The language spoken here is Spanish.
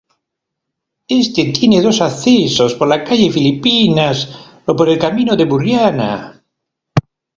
Este tiene dos accesos: por la Calle Filipinas o por el Camino de Burriana.